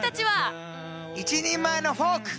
一人前のフォーク。